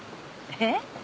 えっ？